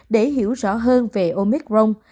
để hiểu rõ hơn về omicron